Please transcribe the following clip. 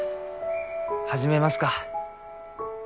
始めますか。